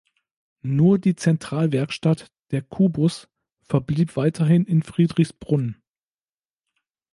Nur die Zentralwerkstatt der Q-Bus verblieb weiterhin in Friedrichsbrunn.